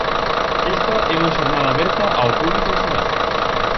Esta é unha xornada aberta ao público en xeral.